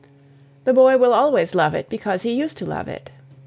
The boy will always love it because he used to love it.